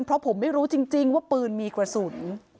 เพราะผมไม่รู้จริงว่าปืนมีกระสุน